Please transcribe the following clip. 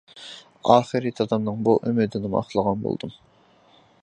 ئاخىرى دادامنىڭ بۇ ئۈمىدىنىمۇ ئاقلىغان بولدۇم.